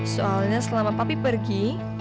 soalnya selama papi pergi